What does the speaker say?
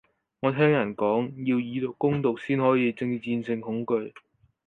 我聽人講，要以毒攻毒先可以戰勝恐懼